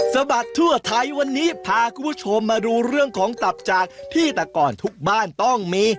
บัดทั่วไทยวันนี้พาคุณผู้ชมมาดูเรื่องของตับจากที่แต่ก่อนทุกบ้านต้องมี